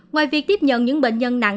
ngoài việc tiếp nhận những bệnh nhân nặng